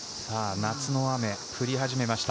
夏の雨、降り始めました。